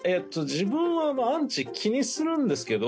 自分はアンチ気にするんですけど。